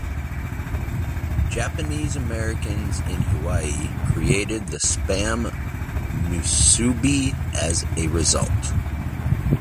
Japanese Americans in Hawaii created the Spam musubi as a result.